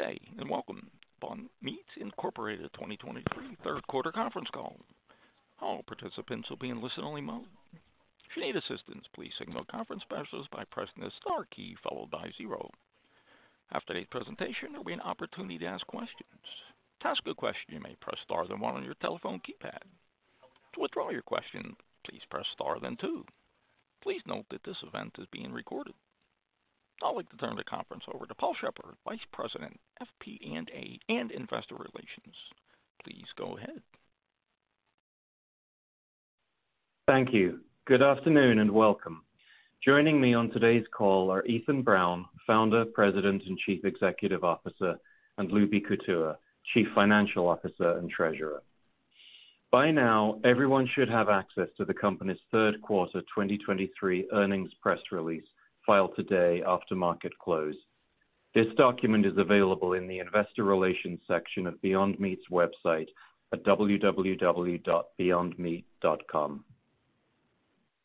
Good day, and welcome to Beyond Meat Incorporated 2023 third quarter conference call. All participants will be in listen-only mode. If you need assistance, please signal a conference specialist by pressing the star key followed by zero. After the presentation, there'll be an opportunity to ask questions. To ask a question, you may press Star then one on your telephone keypad. To withdraw your question, please press Star, then two. Please note that this event is being recorded. I'd like to turn the conference over to Paul Sheppard, Vice President, FP&A, and Investor Relations. Please go ahead. Thank you. Good afternoon, and welcome. Joining me on today's call are Ethan Brown, Founder, President, and Chief Executive Officer, and Lubi Kutua, Chief Financial Officer and Treasurer. By now, everyone should have access to the company's third quarter 2023 earnings press release, filed today after market close. This document is available in the Investor Relations section of Beyond Meat's website at www.beyondmeat.com.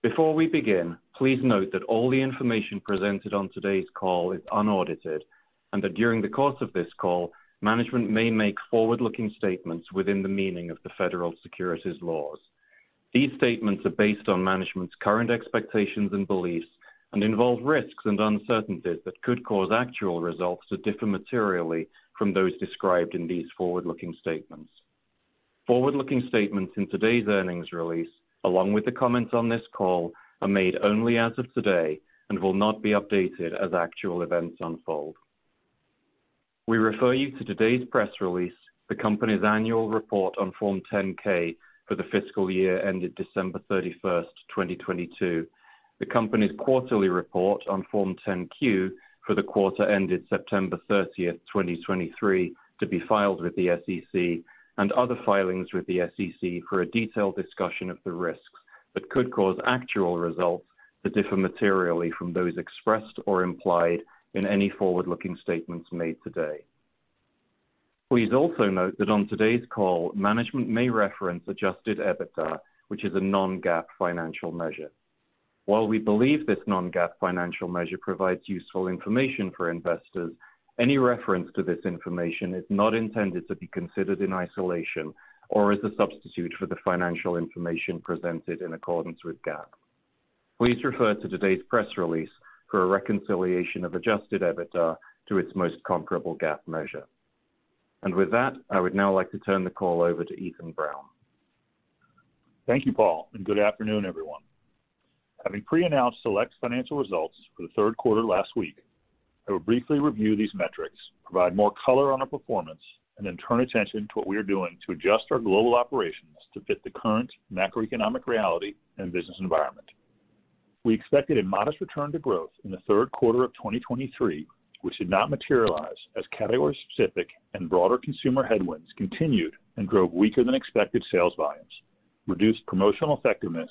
Before we begin, please note that all the information presented on today's call is unaudited, and that during the course of this call, management may make forward-looking statements within the meaning of the federal securities laws. These statements are based on management's current expectations and beliefs and involve risks and uncertainties that could cause actual results to differ materially from those described in these forward-looking statements. Forward-looking statements in today's earnings release, along with the comments on this call, are made only as of today and will not be updated as actual events unfold. We refer you to today's press release, the company's annual report on Form 10-K for the fiscal year ended December 31st, 2022, the company's quarterly report on Form 10-Q for the quarter ended September 30th, 2023, to be filed with the SEC and other filings with the SEC for a detailed discussion of the risks that could cause actual results to differ materially from those expressed or implied in any forward-looking statements made today. Please also note that on today's call, management may reference Adjusted EBITDA, which is a non-GAAP financial measure. While we believe this non-GAAP financial measure provides useful information for investors, any reference to this information is not intended to be considered in isolation or as a substitute for the financial information presented in accordance with GAAP. Please refer to today's press release for a reconciliation of Adjusted EBITDA to its most comparable GAAP measure. With that, I would now like to turn the call over to Ethan Brown. Thank you, Paul, and good afternoon, everyone. Having pre-announced select financial results for the third quarter last week, I will briefly review these metrics, provide more color on our performance, and then turn attention to what we are doing to adjust our global operations to fit the current macroeconomic reality and business environment. We expected a modest return to growth in the third quarter of 2023, which did not materialize as category-specific and broader consumer headwinds continued and drove weaker than expected sales volumes, reduced promotional effectiveness,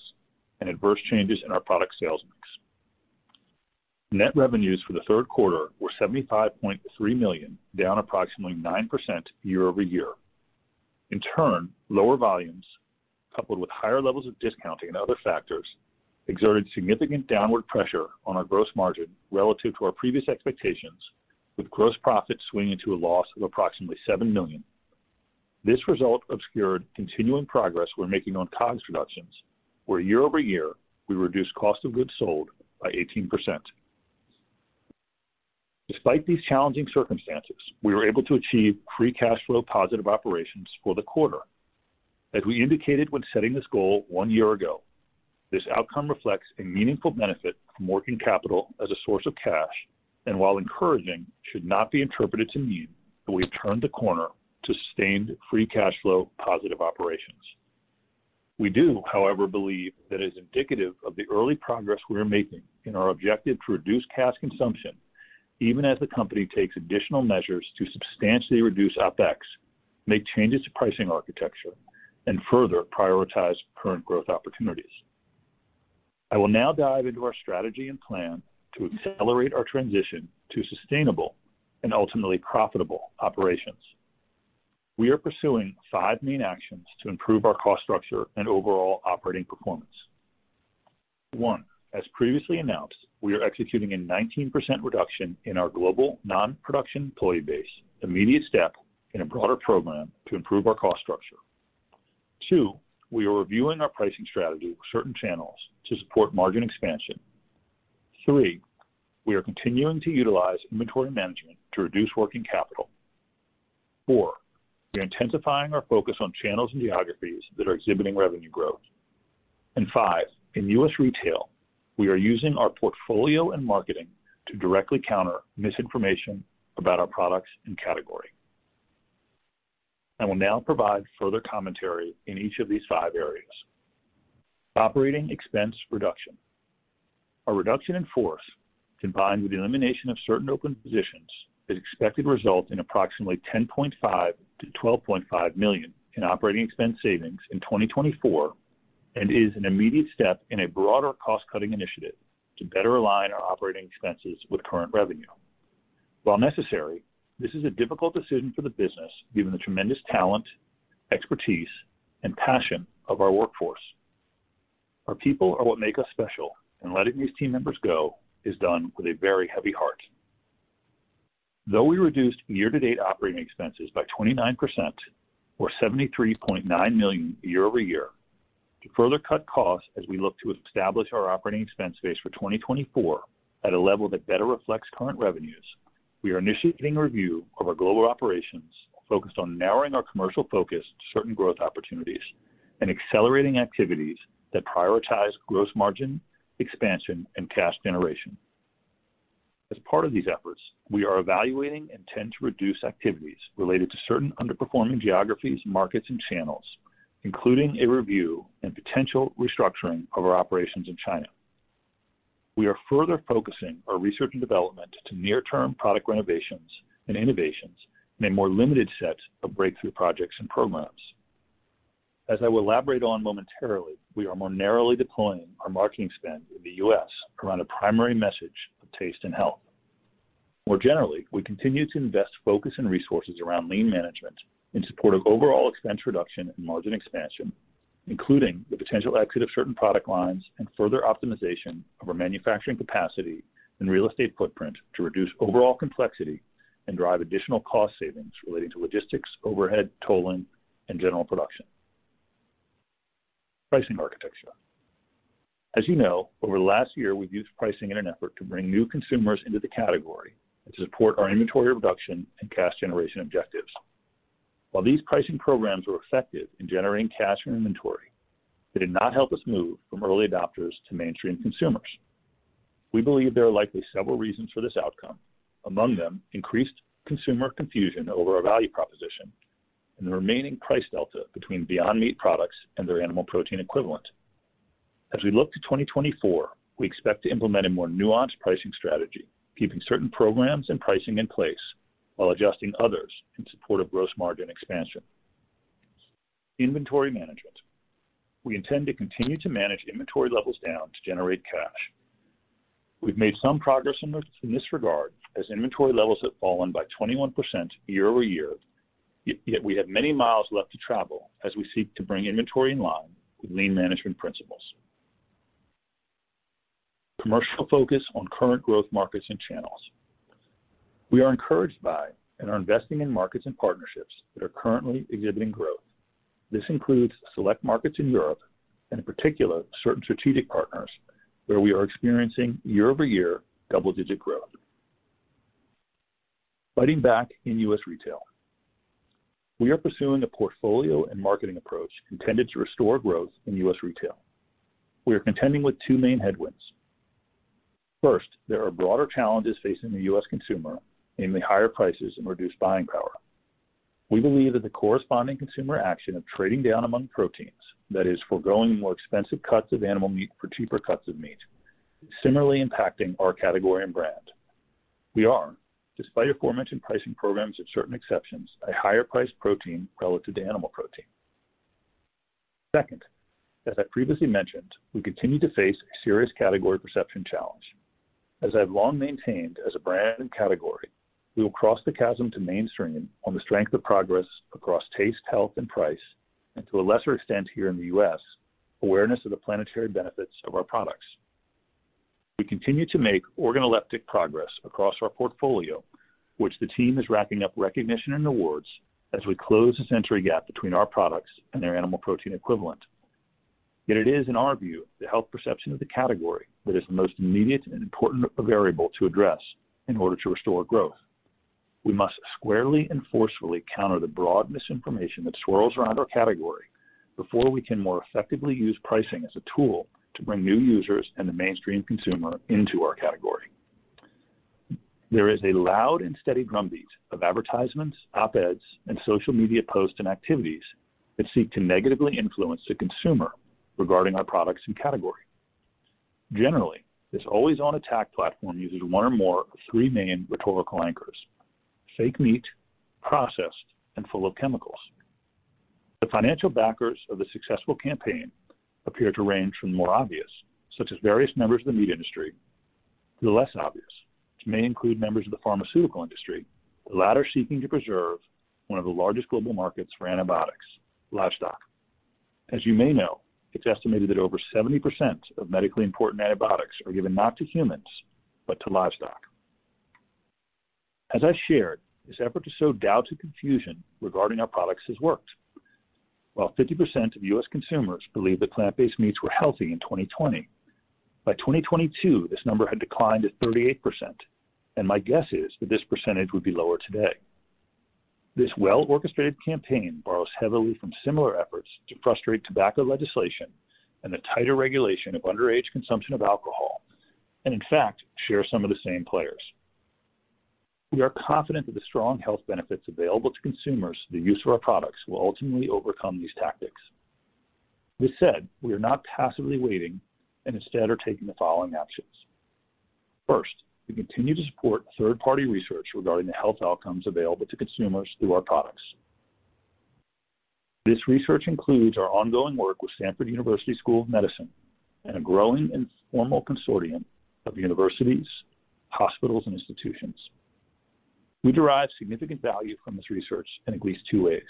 and adverse changes in our product sales mix. Net revenues for the third quarter were $75.3 million, down approximately 9% year-over-year. In turn, lower volumes, coupled with higher levels of discounting and other factors, exerted significant downward pressure on our gross margin relative to our previous expectations, with gross profits swinging to a loss of approximately $7 million. This result obscured continuing progress we're making on COGS reductions, where year-over-year, we reduced cost of goods sold by 18%. Despite these challenging circumstances, we were able to achieve free cash flow positive operations for the quarter. As we indicated when setting this goal one year ago, this outcome reflects a meaningful benefit from working capital as a source of cash, and while encouraging, should not be interpreted to mean that we've turned the corner to sustained free cash flow positive operations. We do, however, believe that is indicative of the early progress we are making in our objective to reduce cash consumption, even as the company takes additional measures to substantially reduce OpEx, make changes to pricing architecture, and further prioritize current growth opportunities. I will now dive into our strategy and plan to accelerate our transition to sustainable and ultimately profitable operations. We are pursuing five main actions to improve our cost structure and overall operating performance. One, as previously announced, we are executing a 19% reduction in our global non-production employee base, immediate step in a broader program to improve our cost structure. Two, we are reviewing our pricing strategy with certain channels to support margin expansion. Three, we are continuing to utilize inventory management to reduce working capital. Four, we are intensifying our focus on channels and geographies that are exhibiting revenue growth. Five, in U.S. retail, we are using our portfolio and marketing to directly counter misinformation about our products and category. I will now provide further commentary in each of these five areas. Operating expense reduction. A reduction in force, combined with the elimination of certain open positions, is expected to result in approximately $10.5 million-$12.5 million in operating expense savings in 2024 and is an immediate step in a broader cost-cutting initiative to better align our operating expenses with current revenue. While necessary, this is a difficult decision for the business given the tremendous talent, expertise, and passion of our workforce.... Our people are what make us special, and letting these team members go is done with a very heavy heart. Though we reduced year-to-date operating expenses by 29% or $73.9 million year-over-year, to further cut costs as we look to establish our operating expense base for 2024 at a level that better reflects current revenues, we are initiating a review of our global operations focused on narrowing our commercial focus to certain growth opportunities and accelerating activities that prioritize gross margin expansion, and cash generation. As part of these efforts, we are evaluating and tend to reduce activities related to certain underperforming geographies, markets, and channels, including a review and potential restructuring of our operations in China. We are further focusing our research and development to near-term product renovations and innovations in a more limited set of breakthrough projects and programs. As I will elaborate on momentarily, we are more narrowly deploying our marketing spend in the U.S. around a primary message of taste and health. More generally, we continue to invest focus and resources around lean management in support of overall expense reduction and margin expansion, including the potential exit of certain product lines and further optimization of our manufacturing capacity and real estate footprint to reduce overall complexity and drive additional cost savings relating to logistics, overhead, tolling, and general production. Pricing architecture. As you know, over the last year, we've used pricing in an effort to bring new consumers into the category and to support our inventory reduction and cash generation objectives. While these pricing programs were effective in generating cash from inventory, they did not help us move from early adopters to mainstream consumers. We believe there are likely several reasons for this outcome, among them, increased consumer confusion over our value proposition and the remaining price delta between Beyond Meat products and their animal protein equivalent. As we look to 2024, we expect to implement a more nuanced pricing strategy, keeping certain programs and pricing in place while adjusting others in support of gross margin expansion. Inventory management. We intend to continue to manage inventory levels down to generate cash. We've made some progress in this, in this regard, as inventory levels have fallen by 21% year-over-year, yet we have many miles left to travel as we seek to bring inventory in line with lean management principles. Commercial focus on current growth markets and channels. We are encouraged by and are investing in markets and partnerships that are currently exhibiting growth. This includes select markets in Europe, and in particular, certain strategic partners, where we are experiencing year-over-year double-digit growth. Fighting back in U.S. retail. We are pursuing a portfolio and marketing approach intended to restore growth in U.S. retail. We are contending with two main headwinds. First, there are broader challenges facing the U.S. consumer, namely higher prices and reduced buying power. We believe that the corresponding consumer action of trading down among proteins, that is forgoing the more expensive cuts of animal meat for cheaper cuts of meat, is similarly impacting our category and brand. We are, despite aforementioned pricing programs of certain exceptions, a higher-priced protein relative to animal protein. Second, as I previously mentioned, we continue to face a serious category perception challenge. As I've long maintained as a brand and category, we will cross the chasm to mainstream on the strength of progress across taste, health, and price, and to a lesser extent here in the U.S., awareness of the planetary benefits of our products. We continue to make organoleptic progress across our portfolio, which the team is racking up recognition and awards as we close the sensory gap between our products and their animal protein equivalent. Yet it is, in our view, the health perception of the category that is the most immediate and important variable to address in order to restore growth. We must squarely and forcefully counter the broad misinformation that swirls around our category before we can more effectively use pricing as a tool to bring new users and the mainstream consumer into our category. There is a loud and steady drumbeat of advertisements, op-eds, and social media posts and activities that seek to negatively influence the consumer regarding our products and category. Generally, this always-on attack platform uses one or more of three main rhetorical anchors: fake meat, processed, and full of chemicals. The financial backers of the successful campaign appear to range from the more obvious, such as various members of the meat industry, to the less obvious, which may include members of the pharmaceutical industry, the latter seeking to preserve one of the largest global markets for antibiotics, livestock. As you may know, it's estimated that over 70% of medically important antibiotics are given not to humans, but to livestock. As I shared, this effort to sow doubt and confusion regarding our products has worked. While 50% of U.S. consumers believed that plant-based meats were healthy in 2020, by 2022, this number had declined to 38%, and my guess is that this percentage would be lower today. This well-orchestrated campaign borrows heavily from similar efforts to frustrate tobacco legislation and the tighter regulation of underage consumption of alcohol, and in fact, share some of the same players. We are confident that the strong health benefits available to consumers through the use of our products will ultimately overcome these tactics. This said, we are not passively waiting and instead are taking the following actions. First, we continue to support third-party research regarding the health outcomes available to consumers through our products. This research includes our ongoing work with Stanford University School of Medicine and a growing and formal consortium of universities, hospitals, and institutions... We derive significant value from this research in at least two ways.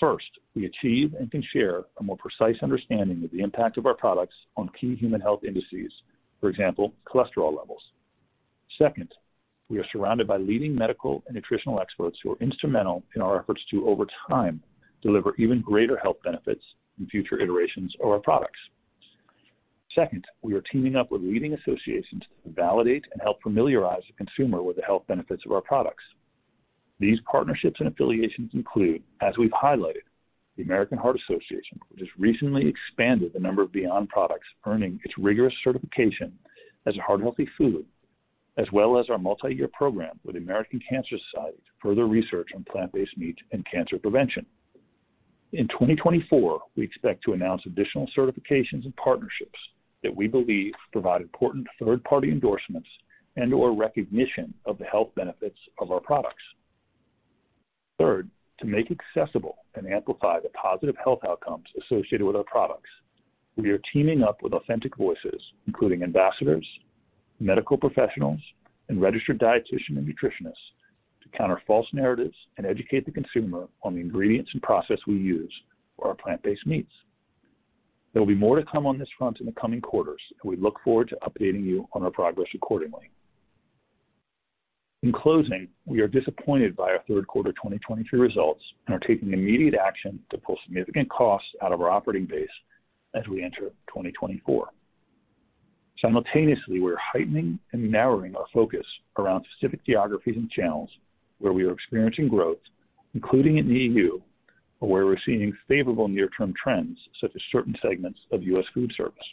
First, we achieve and can share a more precise understanding of the impact of our products on key human health indices, for example, cholesterol levels. Second, we are surrounded by leading medical and nutritional experts who are instrumental in our efforts to, over time, deliver even greater health benefits in future iterations of our products. Second, we are teaming up with leading associations to validate and help familiarize the consumer with the health benefits of our products. These partnerships and affiliations include, as we've highlighted, the American Heart Association, which has recently expanded the number of Beyond products, earning its rigorous certification as a heart-healthy food, as well as our multi-year program with the American Cancer Society to further research on plant-based meat and cancer prevention. In 2024, we expect to announce additional certifications and partnerships that we believe provide important third-party endorsements and or recognition of the health benefits of our products. Third, to make accessible and amplify the positive health outcomes associated with our products, we are teaming up with authentic voices, including ambassadors, medical professionals, and registered dieticians and nutritionists, to counter false narratives and educate the consumer on the ingredients and process we use for our plant-based meats. There will be more to come on this front in the coming quarters, and we look forward to updating you on our progress accordingly. In closing, we are disappointed by our third quarter 2023 results and are taking immediate action to pull significant costs out of our operating base as we enter 2024. Simultaneously, we are heightening and narrowing our focus around specific geographies and channels where we are experiencing growth, including in the EU, where we're seeing favorable near-term trends, such as certain segments of U.S. foodservice.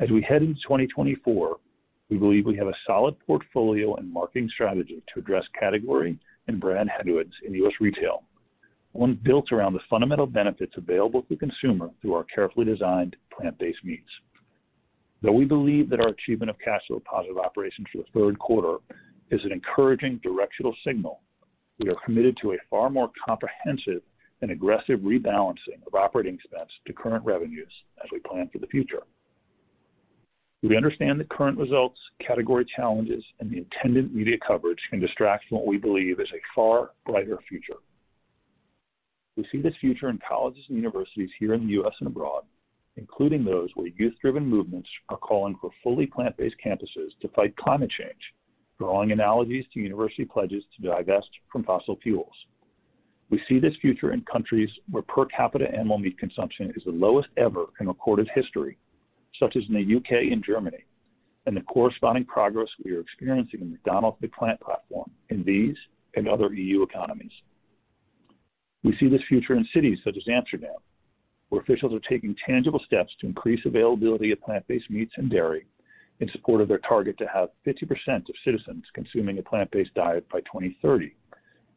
As we head into 2024, we believe we have a solid portfolio and marketing strategy to address category and brand headwinds in U.S. retail, one built around the fundamental benefits available to the consumer through our carefully designed plant-based meats. Though we believe that our achievement of cash flow positive operations for the third quarter is an encouraging directional signal, we are committed to a far more comprehensive and aggressive rebalancing of operating expense to current revenues as we plan for the future. We understand that current results, category challenges, and the attendant media coverage can distract from what we believe is a far brighter future. We see this future in colleges and universities here in the U.S. and abroad, including those where youth-driven movements are calling for fully plant-based campuses to fight climate change, drawing analogies to university pledges to divest from fossil fuels. We see this future in countries where per capita animal meat consumption is the lowest ever in recorded history, such as in the U.K. and Germany, and the corresponding progress we are experiencing in the McDonald's plant platform in these and other EU economies. We see this future in cities such as Amsterdam, where officials are taking tangible steps to increase availability of plant-based meats and dairy in support of their target to have 50% of citizens consuming a plant-based diet by 2030.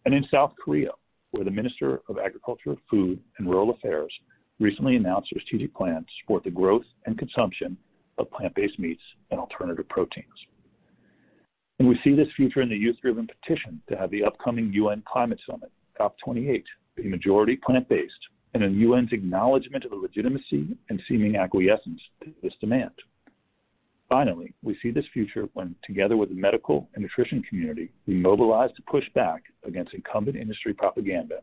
In South Korea, where the Minister of Agriculture, Food, and Rural Affairs recently announced a strategic plan to support the growth and consumption of plant-based meats and alternative proteins. We see this future in the youth-driven petition to have the upcoming U.N. Climate Summit, COP28, be majority plant-based, and in U.N.'s acknowledgment of the legitimacy and seeming acquiescence to this demand. Finally, we see this future when, together with the medical and nutrition community, we mobilize to push back against incumbent industry propaganda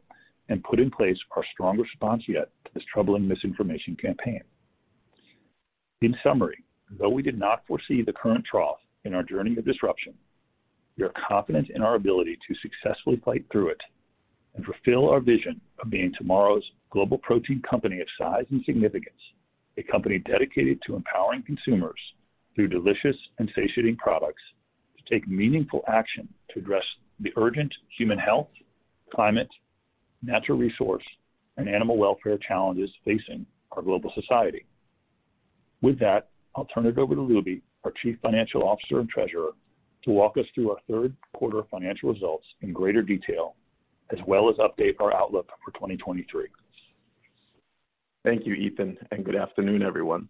and put in place our strongest response yet to this troubling misinformation campaign. In summary, though we did not foresee the current trough in our journey of disruption, we are confident in our ability to successfully fight through it and fulfill our vision of being tomorrow's global protein company of size and significance, a company dedicated to empowering consumers through delicious and satiating products to take meaningful action to address the urgent human health, climate, natural resource, and animal welfare challenges facing our global society. With that, I'll turn it over to Lubi, our Chief Financial Officer and Treasurer, to walk us through our third quarter financial results in greater detail, as well as update our outlook for 2023. Thank you, Ethan, and good afternoon, everyone.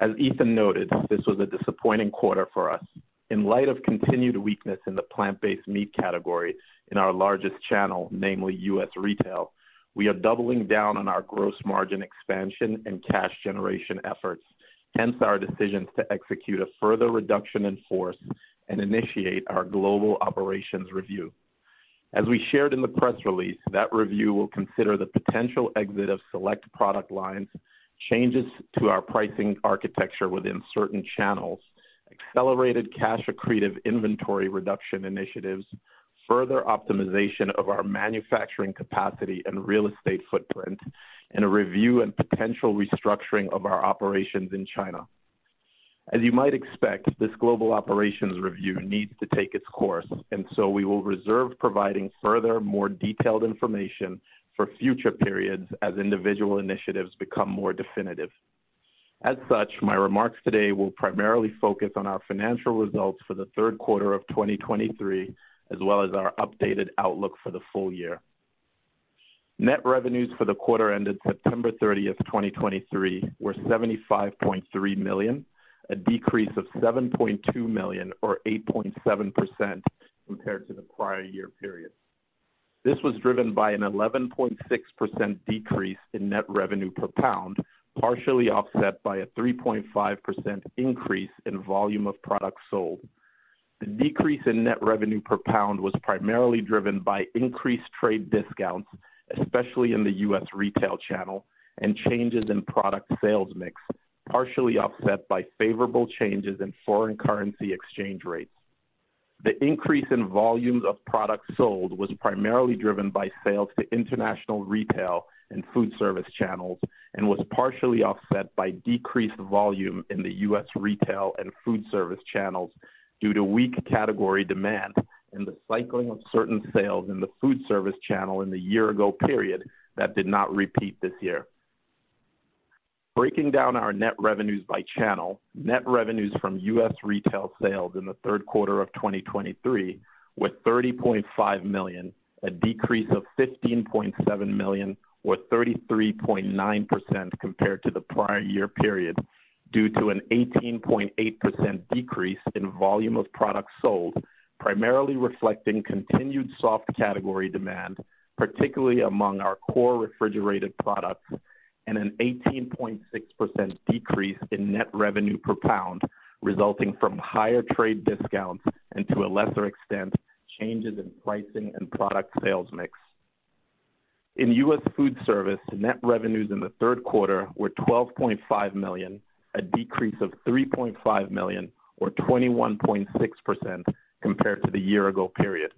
As Ethan noted, this was a disappointing quarter for us. In light of continued weakness in the plant-based meat category in our largest channel, namely U.S. retail, we are doubling down on our gross margin expansion and cash generation efforts, hence our decisions to execute a further reduction in force and initiate our global operations review. As we shared in the press release, that review will consider the potential exit of select product lines, changes to our pricing architecture within certain channels, accelerated cash accretive inventory reduction initiatives, further optimization of our manufacturing capacity and real estate footprint, and a review and potential restructuring of our operations in China. As you might expect, this global operations review needs to take its course, and so we will reserve providing further, more detailed information for future periods as individual initiatives become more definitive. As such, my remarks today will primarily focus on our financial results for the third quarter of 2023, as well as our updated outlook for the full year. Net revenues for the quarter ended September 30th, 2023, were $75.3 million, a decrease of $7.2 million or 8.7% compared to the prior year period.... This was driven by an 11.6% decrease in net revenue per pound, partially offset by a 3.5% increase in volume of products sold. The decrease in net revenue per pound was primarily driven by increased trade discounts, especially in the U.S. retail channel, and changes in product sales mix, partially offset by favorable changes in foreign currency exchange rates. The increase in volumes of products sold was primarily driven by sales to international retail and foodservice channels, and was partially offset by decreased volume in the U.S. retail and foodservice channels due to weak category demand and the cycling of certain sales in the foodservice channel in the year ago period that did not repeat this year. Breaking down our net revenues by channel, net revenues from U.S. retail sales in the third quarter of 2023 were $30.5 million, a decrease of $15.7 million, or 33.9% compared to the prior year period, due to an 18.8% decrease in volume of products sold, primarily reflecting continued soft category demand, particularly among our core refrigerated products, and an 18.6% decrease in net revenue per pound, resulting from higher trade discounts and, to a lesser extent, changes in pricing and product sales mix. In U.S. foodservice, net revenues in the third quarter were $12.5 million, a decrease of $3.5 million, or 21.6% compared to the year ago period.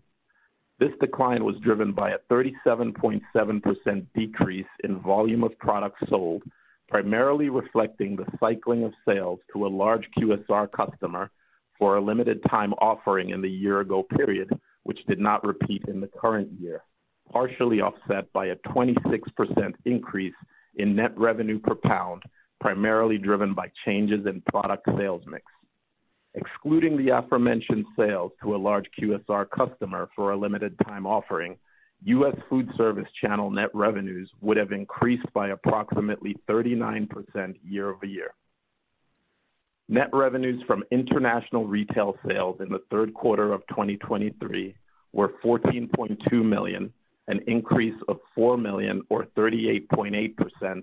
This decline was driven by a 37.7% decrease in volume of products sold, primarily reflecting the cycling of sales to a large QSR customer for a limited time offering in the year ago period, which did not repeat in the current year, partially offset by a 26% increase in net revenue per pound, primarily driven by changes in product sales mix. Excluding the aforementioned sales to a large QSR customer for a limited time offering, U.S. foodservice channel net revenues would have increased by approximately 39% year-over-year. Net revenues from international retail sales in the third quarter of 2023 were $14.2 million, an increase of $4 million, or 38.8%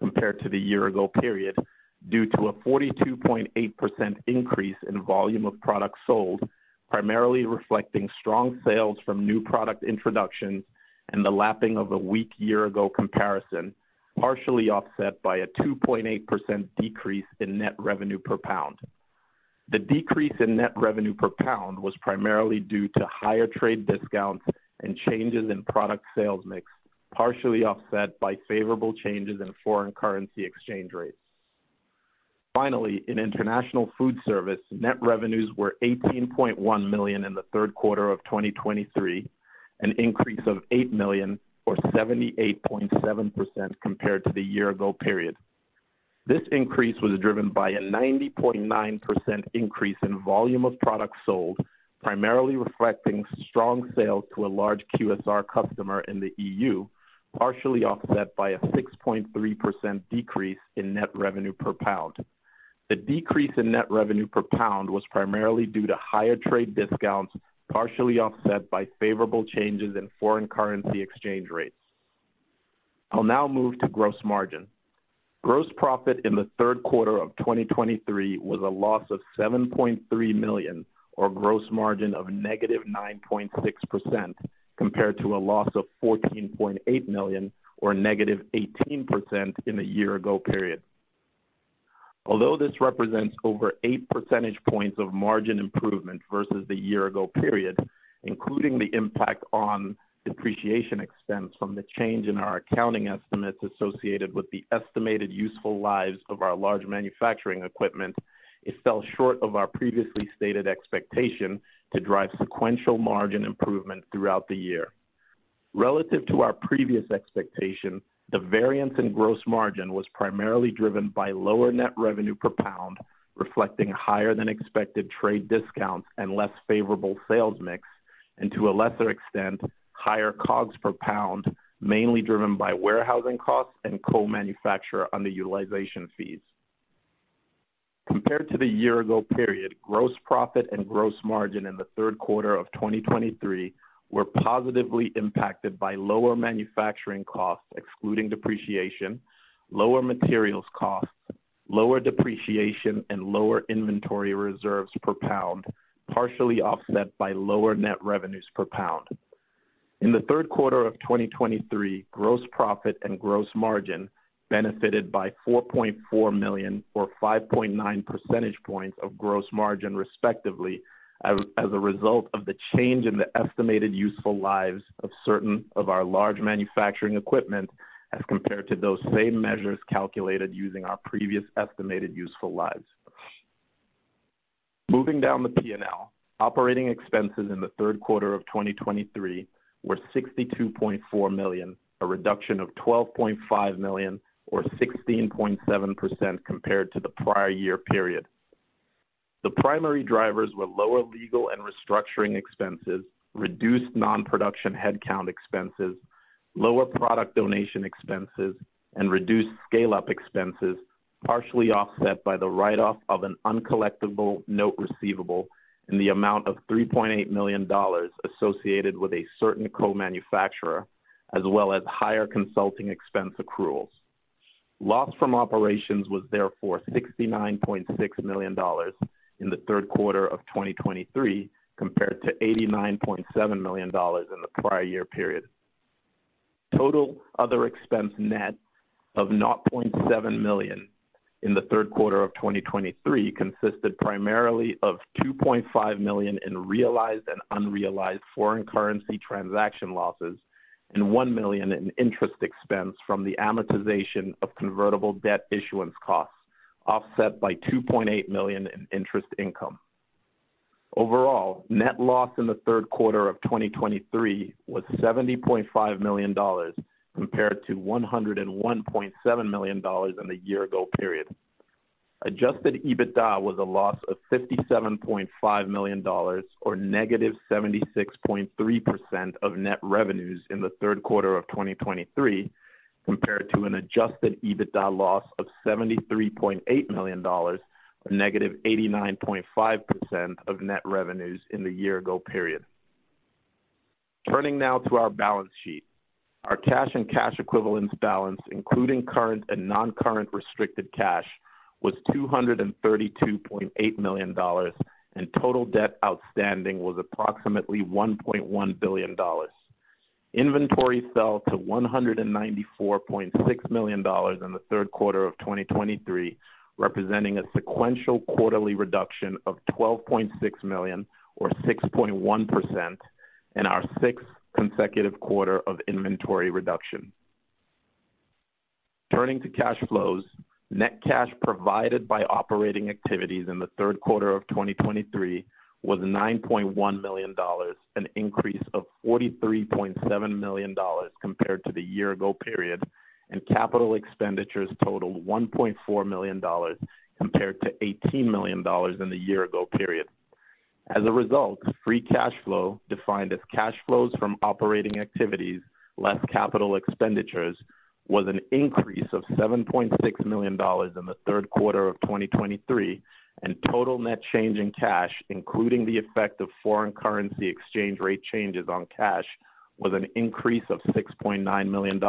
compared to the year ago period, due to a 42.8% increase in volume of products sold, primarily reflecting strong sales from new product introductions and the lapping of a weak year ago comparison, partially offset by a 2.8% decrease in net revenue per pound. The decrease in net revenue per pound was primarily due to higher trade discounts and changes in product sales mix, partially offset by favorable changes in foreign currency exchange rates. Finally, in international foodservice, net revenues were $18.1 million in the third quarter of 2023, an increase of $8 million, or 78.7% compared to the year ago period. This increase was driven by a 90.9% increase in volume of products sold, primarily reflecting strong sales to a large QSR customer in the EU, partially offset by a 6.3% decrease in net revenue per pound. The decrease in net revenue per pound was primarily due to higher trade discounts, partially offset by favorable changes in foreign currency exchange rates. I'll now move to gross margin. Gross profit in the third quarter of 2023 was a loss of $7.3 million, or gross margin of -9.6%, compared to a loss of $14.8 million, or -18% in the year ago period. Although this represents over eight percentage points of margin improvement versus the year ago period, including the impact on depreciation expense from the change in our accounting estimates associated with the estimated useful lives of our large manufacturing equipment, it fell short of our previously stated expectation to drive sequential margin improvement throughout the year. Relative to our previous expectation, the variance in gross margin was primarily driven by lower net revenue per pound, reflecting higher than expected trade discounts and less favorable sales mix, and to a lesser extent, higher COGS per pound, mainly driven by warehousing costs and co-manufacturer underutilization fees. Compared to the year ago period, gross profit and gross margin in the third quarter of 2023 were positively impacted by lower manufacturing costs, excluding depreciation, lower materials costs, lower depreciation, and lower inventory reserves per pound, partially offset by lower net revenues per pound. In the third quarter of 2023, gross profit and gross margin benefited by $4.4 million, or 5.9 percentage points of gross margin, respectively, as a result of the change in the estimated useful lives of certain of our large manufacturing equipment as compared to those same measures calculated using our previous estimated useful lives. Moving down the P&L, operating expenses in the third quarter of 2023 were $62.4 million, a reduction of $12.5 million, or 16.7% compared to the prior year period. The primary drivers were lower legal and restructuring expenses, reduced non-production headcount expenses, lower product donation expenses and reduced scale-up expenses, partially offset by the write-off of an uncollectible note receivable in the amount of $3.8 million associated with a certain co-manufacturer, as well as higher consulting expense accruals. Loss from operations was therefore $69.6 million in the third quarter of 2023, compared to $89.7 million in the prior year period. Total other expense net of $0.7 million in the third quarter of 2023 consisted primarily of $2.5 million in realized and unrealized foreign currency transaction losses, and $1 million in interest expense from the amortization of convertible debt issuance costs, offset by $2.8 million in interest income. Overall, net loss in the third quarter of 2023 was $70.5 million, compared to $101.7 million in the year ago period. Adjusted EBITDA was a loss of $57.5 million, or negative 76.3% of net revenues in the third quarter of 2023, compared to an Adjusted EBITDA loss of $73.8 million, or negative 89.5% of net revenues in the year ago period. Turning now to our balance sheet. Our cash and cash equivalents balance, including current and non-current restricted cash, was $232.8 million, and total debt outstanding was approximately $1.1 billion. Inventory fell to $194.6 million in the third quarter of 2023, representing a sequential quarterly reduction of $12.6 million, or 6.1%, and our 6th consecutive quarter of inventory reduction. Turning to cash flows, net cash provided by operating activities in the third quarter of 2023 was $9.1 million, an increase of $43.7 million compared to the year ago period, and capital expenditures totaled $1.4 million compared to $18 million in the year ago period. As a result, free cash flow, defined as cash flows from operating activities less capital expenditures, was an increase of $7.6 million in the third quarter of 2023, and total net change in cash, including the effect of foreign currency exchange rate changes on cash, was an increase of $6.9 million,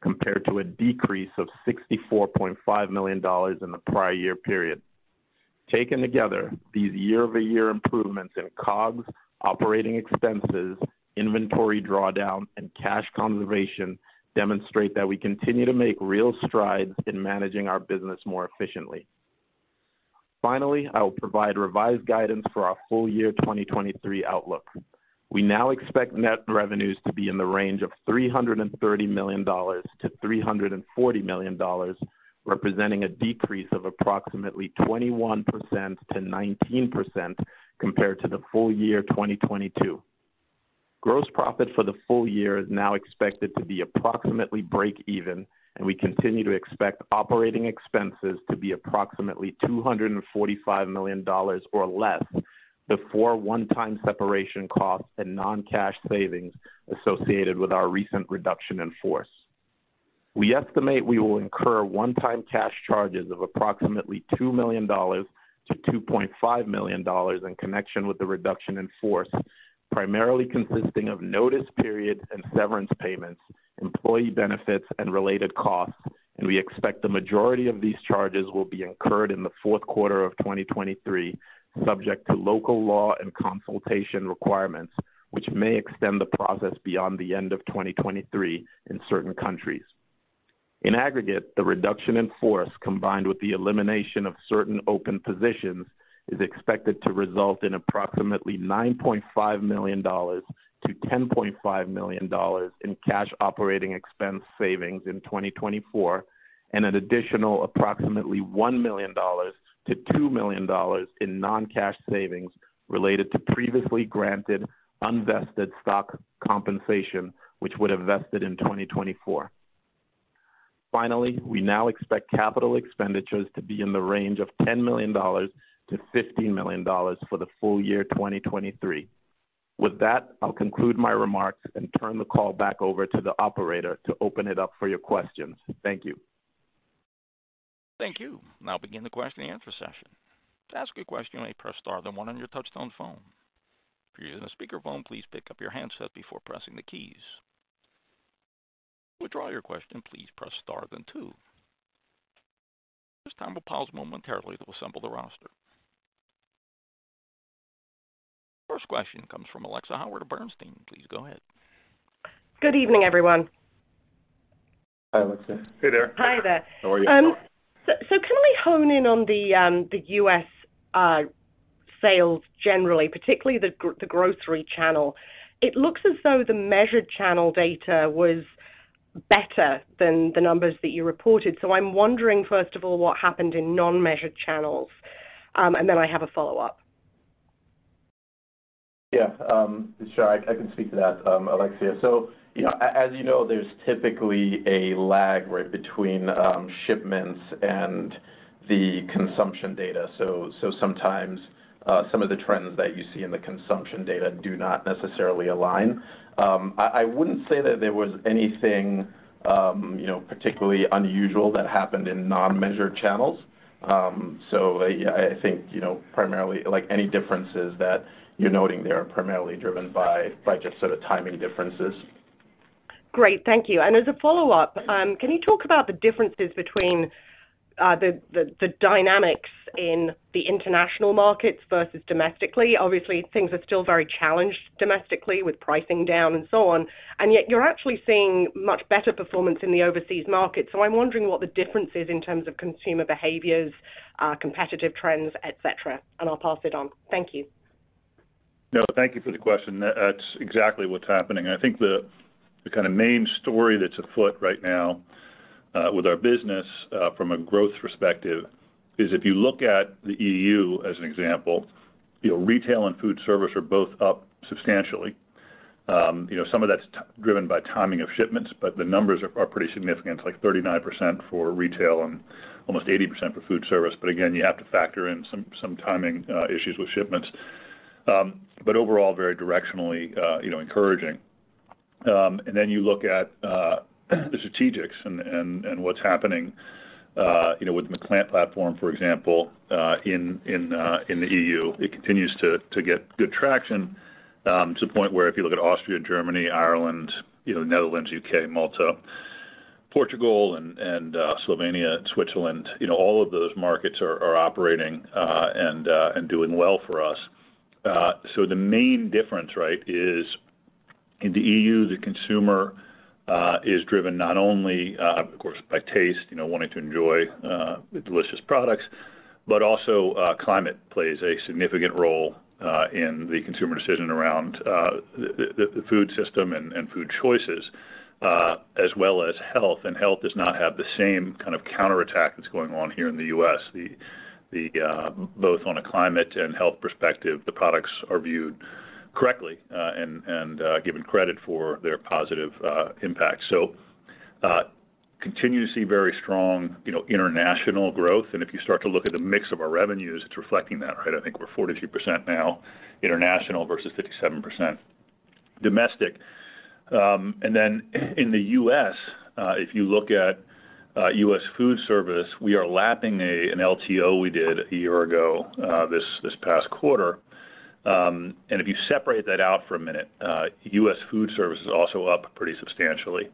compared to a decrease of $64.5 million in the prior year period. Taken together, these year-over-year improvements in COGS, operating expenses, inventory drawdown, and cash conservation demonstrate that we continue to make real strides in managing our business more efficiently. Finally, I will provide revised guidance for our full year 2023 outlook. We now expect net revenues to be in the range of $330 million-$340 million, representing a decrease of approximately 21%-19% compared to the full year 2022. Gross profit for the full year is now expected to be approximately break even, and we continue to expect operating expenses to be approximately $245 million or less before one-time separation costs and non-cash savings associated with our recent reduction in force. We estimate we will incur one-time cash charges of approximately $2 million-$2.5 million in connection with the reduction in force, primarily consisting of notice periods and severance payments, employee benefits, and related costs, and we expect the majority of these charges will be incurred in the fourth quarter of 2023, subject to local law and consultation requirements, which may extend the process beyond the end of 2023 in certain countries. In aggregate, the reduction in force, combined with the elimination of certain open positions, is expected to result in approximately $9.5 million-$10.5 million in cash operating expense savings in 2024, and an additional approximately $1 million-$2 million in non-cash savings related to previously granted unvested stock compensation, which would have vested in 2024. Finally, we now expect capital expenditures to be in the range of $10 million-$15 million for the full year 2023. With that, I'll conclude my remarks and turn the call back over to the operator to open it up for your questions. Thank you. Thank you. I'll now begin the question and answer session. To ask a question, you may press star then one on your touchtone phone. If you're using a speakerphone, please pick up your handset before pressing the keys. To withdraw your question, please press star then two. At this time, we'll pause momentarily to assemble the roster. First question comes from Alexia Howard of Bernstein. Please go ahead. Good evening, everyone. Hi, Alexia. Hey there. Hi there. How are you? Can we hone in on the U.S. sales generally, particularly the grocery channel? It looks as though the measured channel data was better than the numbers that you reported. So I'm wondering, first of all, what happened in non-measured channels? And then I have a follow-up.... Yeah, sure, I can speak to that, Alexia. So, you know, as you know, there's typically a lag, right, between shipments and the consumption data. So sometimes, some of the trends that you see in the consumption data do not necessarily align. I wouldn't say that there was anything, you know, particularly unusual that happened in non-measured channels. So I think, you know, primarily, like, any differences that you're noting there are primarily driven by just sort of timing differences. Great. Thank you. And as a follow-up, can you talk about the differences between the dynamics in the international markets versus domestically? Obviously, things are still very challenged domestically with pricing down and so on, and yet you're actually seeing much better performance in the overseas market. So I'm wondering what the difference is in terms of consumer behaviors, competitive trends, et cetera, and I'll pass it on. Thank you. No, thank you for the question. That's exactly what's happening. I think the kind of main story that's afoot right now with our business from a growth perspective is if you look at the EU as an example, you know, retail and foodservice are both up substantially. You know, some of that's driven by timing of shipments, but the numbers are pretty significant, like 39% for retail and almost 80% for foodservice. But again, you have to factor in some timing issues with shipments. But overall, very directionally, you know, encouraging. And then you look at the strategics and what's happening, you know, with the plant platform, for example, in the EU. It continues to get good traction to the point where if you look at Austria, Germany, Ireland, you know, Netherlands, UK, Malta, Portugal, and Slovenia, and Switzerland, you know, all of those markets are operating and doing well for us. So the main difference, right, is in the EU, the consumer is driven not only, of course, by taste, you know, wanting to enjoy the delicious products, but also, climate plays a significant role in the consumer decision around the food system and food choices, as well as health, and health does not have the same kind of counterattack that's going on here in the US. Both on a climate and health perspective, the products are viewed correctly and given credit for their positive impact. So, continue to see very strong, you know, international growth, and if you start to look at the mix of our revenues, it's reflecting that, right? I think we're 42% now international versus 57% domestic. And then, in the US, if you look at US foodservice, we are lapping an LTO we did a year ago, this past quarter. And if you separate that out for a minute, US foodservice is also up pretty substantially.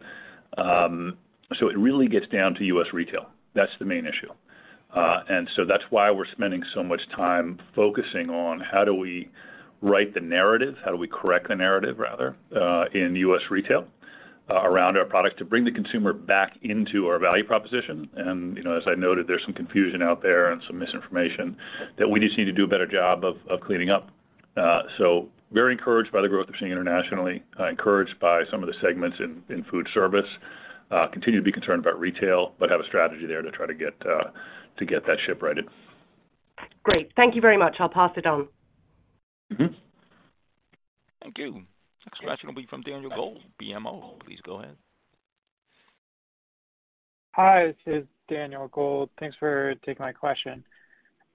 So it really gets down to US retail. That's the main issue. And so that's why we're spending so much time focusing on how do we write the narrative, how do we correct the narrative, rather, in U.S. retail, around our product to bring the consumer back into our value proposition. And, you know, as I noted, there's some confusion out there and some misinformation that we just need to do a better job of cleaning up. So very encouraged by the growth we're seeing internationally, encouraged by some of the segments in foodservice, continue to be concerned about retail, but have a strategy there to try to get that ship righted. Great. Thank you very much. I'll pass it on. Mm-hmm. Thank you. Next question will be from Daniel Gold, BofA. Please go ahead. Hi, this is Daniel Gold. Thanks for taking my question.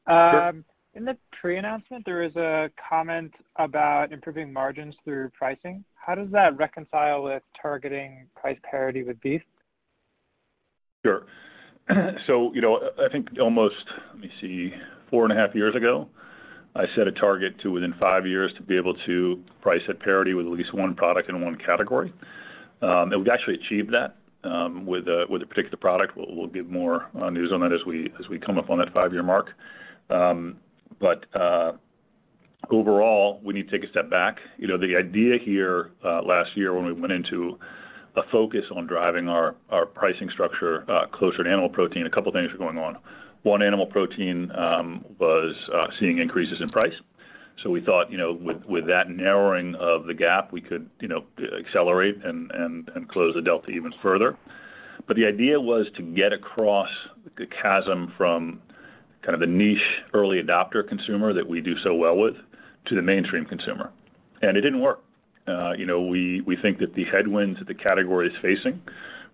Sure. In the pre-announcement, there was a comment about improving margins through pricing. How does that reconcile with targeting price parity with beef? Sure. So, you know, I think almost, let me see, 4.5 years ago, I set a target to, within five years, to be able to price at parity with at least one product in one category. We've actually achieved that with a particular product. We'll give more news on that as we come up on that five-year mark. Overall, when you take a step back, you know, the idea here, last year when we went into a focus on driving our pricing structure closer to animal protein, a couple of things were going on. One, animal protein was seeing increases in price. So we thought, you know, with that narrowing of the gap, we could, you know, accelerate and close the delta even further. But the idea was to get across the chasm from kind of the niche, early adopter consumer that we do so well with, to the mainstream consumer, and it didn't work. You know, we, we think that the headwinds that the category is facing,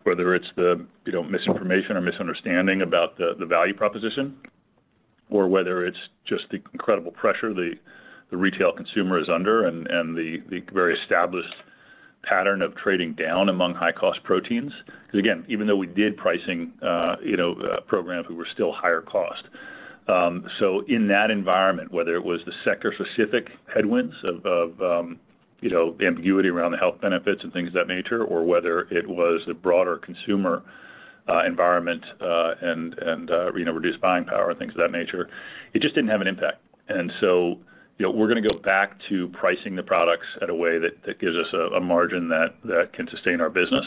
whether it's the, you know, misinformation or misunderstanding about the, the value proposition, or whether it's just the incredible pressure the, the retail consumer is under and, and the, the very established pattern of trading down among high-cost proteins. Because, again, even though we did pricing, you know, programs, we were still higher cost. So in that environment, whether it was the sector-specific headwinds of you know, ambiguity around the health benefits and things of that nature, or whether it was the broader consumer environment, and you know, reduced buying power and things of that nature, it just didn't have an impact. So, you know, we're gonna go back to pricing the products at a way that gives us a margin that can sustain our business.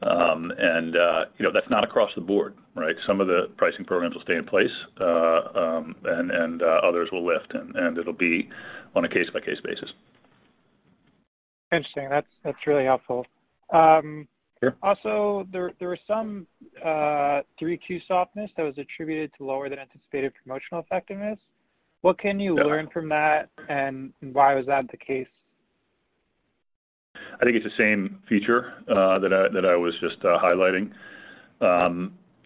And, you know, that's not across the board, right? Some of the pricing programs will stay in place, and others will lift, and it'll be on a case-by-case basis. ... Interesting. That's, that's really helpful. Sure. Also, there were some Q3 softness that was attributed to lower than anticipated promotional effectiveness. What can you learn from that, and why was that the case? I think it's the same feature that I was just highlighting.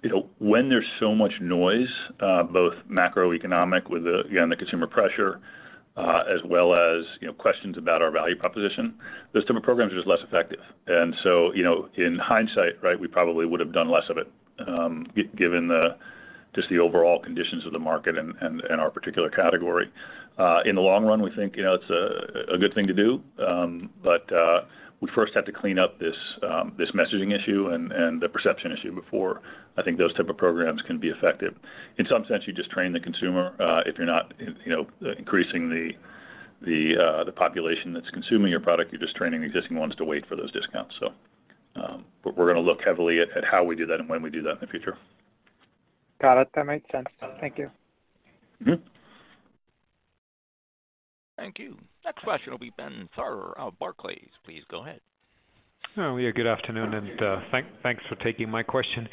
You know, when there's so much noise both macroeconomic with the, again, the consumer pressure as well as, you know, questions about our value proposition, those type of programs are just less effective. And so, you know, in hindsight, right, we probably would have done less of it, given the just the overall conditions of the market and our particular category. In the long run, we think, you know, it's a good thing to do, but we first have to clean up this messaging issue and the perception issue before I think those type of programs can be effective. In some sense, you just train the consumer, if you're not, you know, increasing the population that's consuming your product, you're just training the existing ones to wait for those discounts. So, but we're gonna look heavily at how we do that and when we do that in the future. Got it. That makes sense. Thank you. Mm-hmm. Thank you. Next question will be Ben Theurer of Barclays. Please go ahead. Oh, yeah, good afternoon, and thanks for taking my question.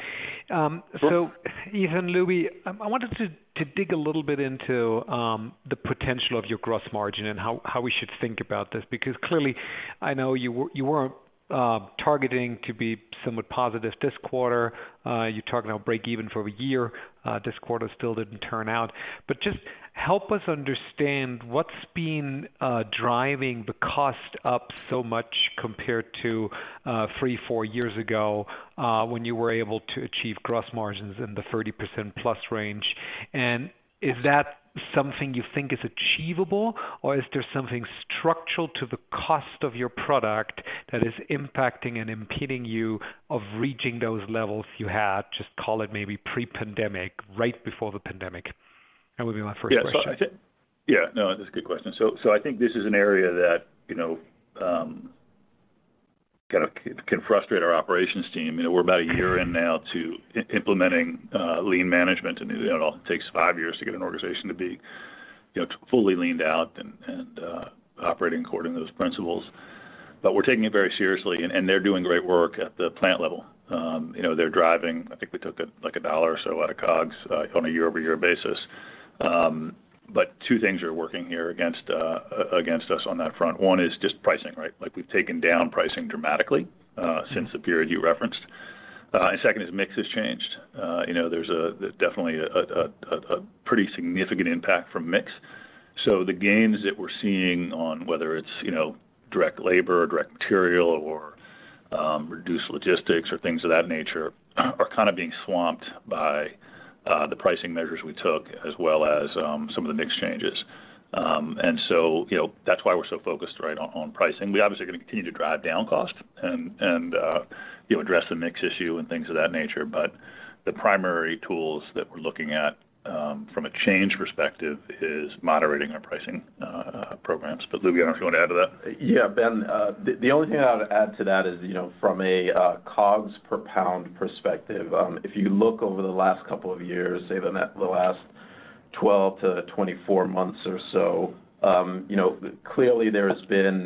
So Ethan, Lubi, I wanted to dig a little bit into the potential of your gross margin and how we should think about this, because clearly, I know you weren't targeting to be somewhat positive this quarter. You're talking about break even for a year. This quarter still didn't turn out. But just help us understand what's been driving the cost up so much compared to three-four years ago, when you were able to achieve gross margins in the 30%+ range. And is that something you think is achievable, or is there something structural to the cost of your product that is impacting and impeding you of reaching those levels you had, just call it maybe pre-pandemic, right before the pandemic? That would be my first question. Yeah. No, that's a good question. So I think this is an area that, you know, kind of can frustrate our operations team. You know, we're about a year in now to implementing lean management. And, you know, it all takes five years to get an organization to be, you know, fully leaned out and operating according to those principles. But we're taking it very seriously, and they're doing great work at the plant level. You know, they're driving... I think we took, like, $1 or so out of COGS on a year-over-year basis. But two things are working here against us on that front. One is just pricing, right? Like, we've taken down pricing dramatically since the period you referenced. And second is mix has changed. You know, there's definitely a pretty significant impact from mix. So the gains that we're seeing on whether it's, you know, direct labor or direct material or reduced logistics or things of that nature, are kind of being swamped by the pricing measures we took, as well as some of the mix changes. And so, you know, that's why we're so focused right on pricing. We're obviously gonna continue to drive down cost and, you know, address the mix issue and things of that nature. But the primary tools that we're looking at from a change perspective is moderating our pricing programs. But Lubi, I don't know if you want to add to that. Yeah, Ben, the only thing I would add to that is, you know, from a COGS per pound perspective, if you look over the last couple of years, say the last 12-24 months or so, you know, clearly there has been,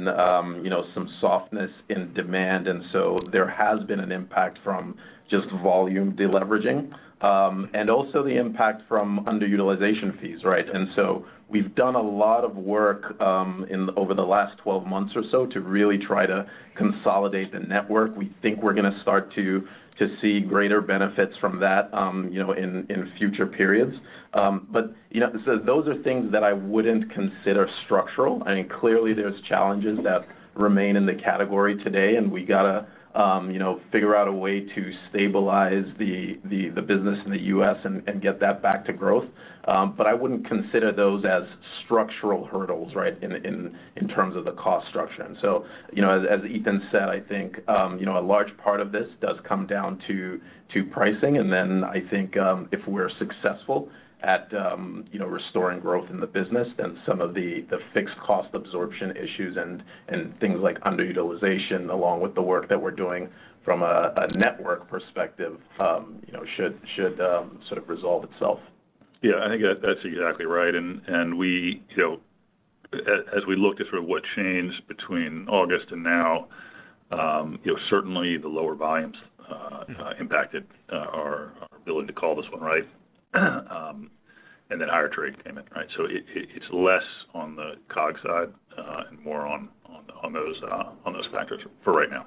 you know, some softness in demand, and so there has been an impact from just volume deleveraging, and also the impact from underutilization fees, right? And so we've done a lot of work, in over the last 12 months or so to really try to consolidate the network. We think we're gonna start to see greater benefits from that, you know, in future periods. But, you know, so those are things that I wouldn't consider structural. I think clearly there's challenges that remain in the category today, and we got to, you know, figure out a way to stabilize the business in the U.S. and get that back to growth. But I wouldn't consider those as structural hurdles, right, in terms of the cost structure. So, you know, as Ethan said, I think, you know, a large part of this does come down to pricing, and then I think, if we're successful at, you know, restoring growth in the business, then some of the fixed cost absorption issues and things like underutilization, along with the work that we're doing from a network perspective, you know, should sort of resolve itself. Yeah, I think that's, that's exactly right. And, and we, you know, as, as we look at sort of what changed between August and now, certainly the lower volumes impacted our ability to call this one right, and then higher trade payment, right? So it, it, it's less on the COGS side, and more on, on, on those, on those factors for right now.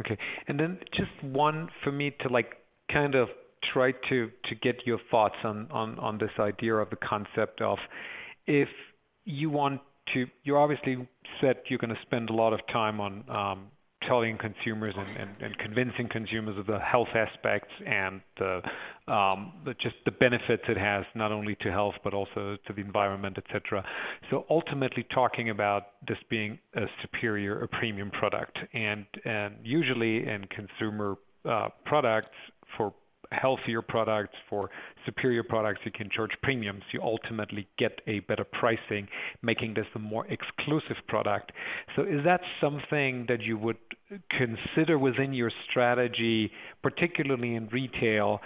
Okay. And then just one for me to like, kind of try to get your thoughts on this idea of the concept of if you want to... You obviously said you're gonna spend a lot of time on telling consumers and convincing consumers of the health aspects and the just the benefits it has, not only to health, but also to the environment, et cetera. So ultimately, talking about this being a superior or premium product, and usually in consumer products, for healthier products, for superior products, you can charge premiums. You ultimately get a better pricing, making this a more exclusive product. So is that something that you would consider within your strategy, particularly in retail,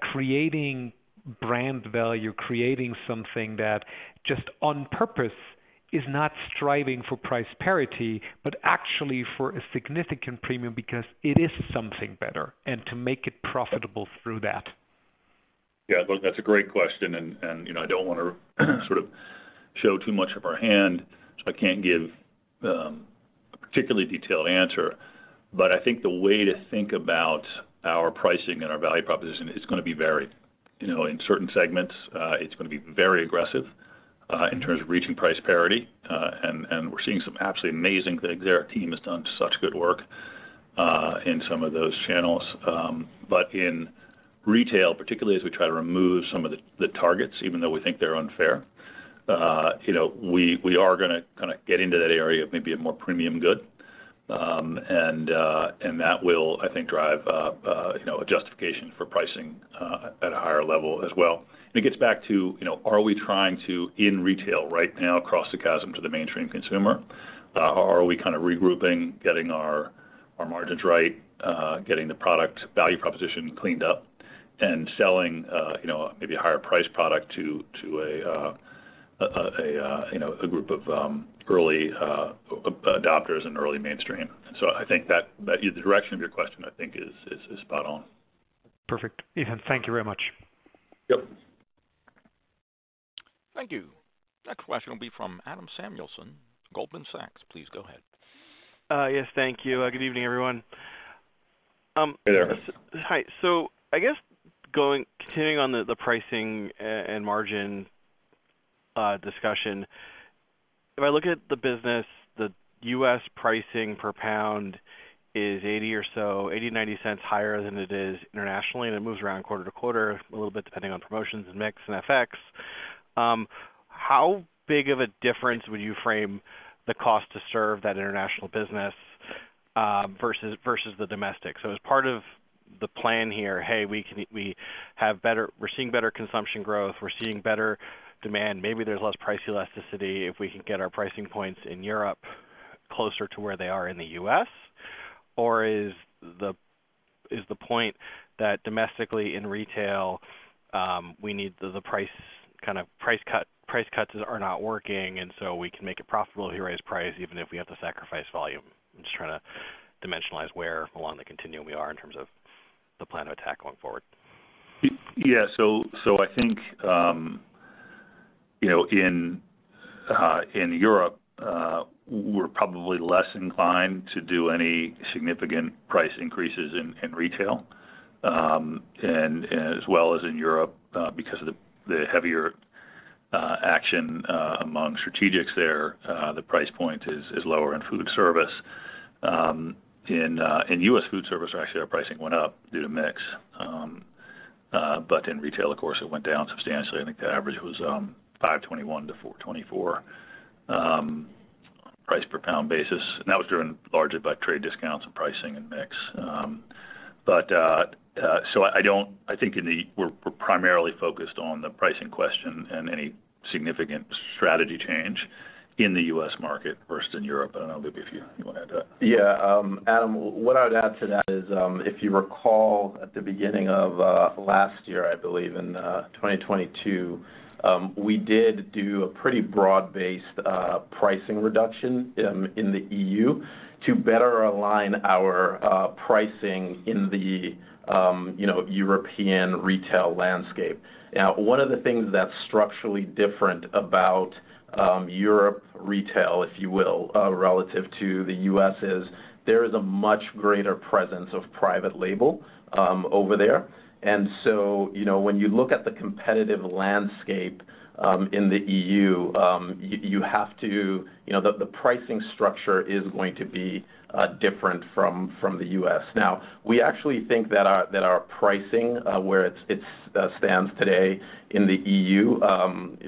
creating brand value, creating something that just on purpose- ... is not striving for price parity, but actually for a significant premium because it is something better, and to make it profitable through that? Yeah, look, that's a great question, and you know, I don't wanna sort of show too much of our hand, so I can't give a particularly detailed answer. But I think the way to think about our pricing and our value proposition, it's gonna be varied. You know, in certain segments, it's gonna be very aggressive in terms of reaching price parity, and we're seeing some absolutely amazing things. Our team has done such good work in some of those channels. But in retail, particularly as we try to remove some of the targets, even though we think they're unfair, you know, we are gonna kinda get into that area of maybe a more premium good. And that will, I think, drive, you know, a justification for pricing at a higher level as well. And it gets back to, you know, are we trying to, in retail right now, cross the chasm to the mainstream consumer? Are we kind of regrouping, getting our margins right, getting the product value proposition cleaned up and selling, you know, maybe a higher priced product to a group of early adopters and early mainstream? So I think that the direction of your question, I think, is spot on. Perfect. Ethan, thank you very much. Yep. Thank you. Next question will be from Adam Samuelson, Goldman Sachs. Please go ahead. Yes, thank you. Good evening, everyone. Hey there. Hi. So I guess continuing on the pricing and margin discussion, if I look at the business, the U.S. pricing per pound is $0.80 or so, $0.80, $0.90 higher than it is internationally, and it moves around quarter to quarter, a little bit, depending on promotions and mix and FX. How big of a difference would you frame the cost to serve that international business versus the domestic? So as part of the plan here, hey, we're seeing better consumption growth, we're seeing better demand, maybe there's less price elasticity if we can get our pricing points in Europe closer to where they are in the U.S. Or is the point that domestically in retail, we need the price... Kind of price cut, price cuts are not working, and so we can make it profitable to raise price, even if we have to sacrifice volume? I'm just trying to dimensionalize where along the continuum we are in terms of the plan of attack going forward. Yeah, so I think, you know, in Europe, we're probably less inclined to do any significant price increases in retail. And as well as in Europe, because of the heavier action among strategics there, the price point is lower in foodservice. In U.S. foodservice, actually, our pricing went up due to mix. But in retail, of course, it went down substantially. I think the average was $5.21-$4.24 price per pound basis, and that was driven largely by trade discounts and pricing and mix. But so I don't I think in the... we're primarily focused on the pricing question and any significant strategy change in the U.S. market versus in Europe. I don't know, Lubi, if you want to add to that. Yeah, Adam, what I would add to that is, if you recall, at the beginning of last year, I believe, in 2022, we did do a pretty broad-based pricing reduction in the EU to better align our pricing in the European retail landscape. Now, one of the things that's structurally different about Europe retail, if you will, relative to the U.S., is there is a much greater presence of private label over there. And so, you know, when you look at the competitive landscape in the EU, you have to, you know, the pricing structure is going to be different from the U.S. Now, we actually think that our pricing where it stands today in the EU,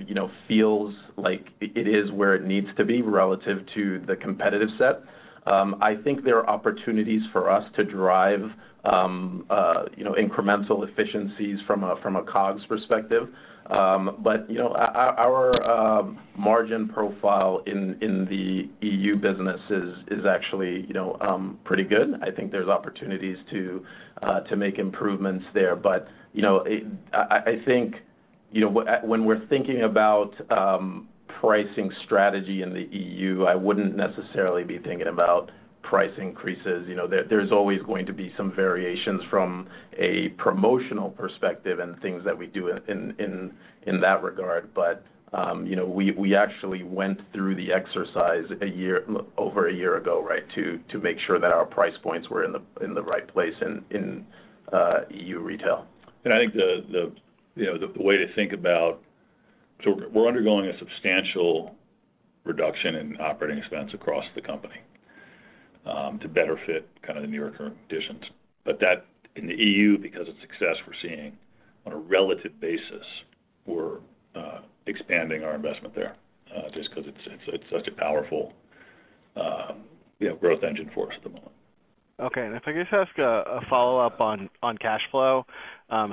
you know, feels like it is where it needs to be relative to the competitive set. I think there are opportunities for us to drive, you know, incremental efficiencies from a COGS perspective. But, you know, our margin profile in the EU business is actually, you know, pretty good. I think there's opportunities to make improvements there. But, you know, I think, you know, when we're thinking about pricing strategy in the EU, I wouldn't necessarily be thinking about price increases. You know, there's always going to be some variations from a promotional perspective and things that we do in that regard, but you know, we actually went through the exercise over a year ago, right, to make sure that our price points were in the right place in EU retail. I think you know the way to think about... So we're undergoing a substantial reduction in operating expense across the company, to better fit kind of the newer current conditions. But that in the EU, because of the success we're seeing on a relative basis, we're expanding our investment there, just because it's such a powerful growth engine for us at the moment. Okay. And if I could just ask a follow-up on cash flow.